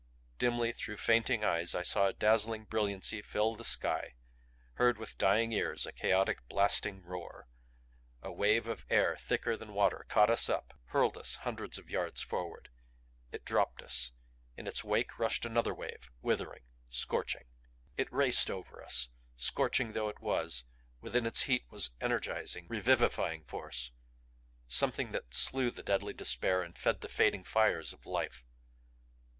Dimly, through fainting eyes, I saw a dazzling brilliancy fill the sky; heard with dying ears a chaotic, blasting roar. A wave of air thicker than water caught us up, hurled us hundreds of yards forward. It dropped us; in its wake rushed another wave, withering, scorching. It raced over us. Scorching though it was, within its heat was energizing, revivifying force; something that slew the deadly despair and fed the fading fires of life.